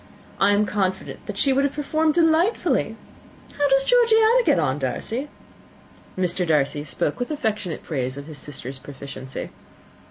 I am confident that she would have performed delightfully. How does Georgiana get on, Darcy?" Mr. Darcy spoke with affectionate praise of his sister's proficiency.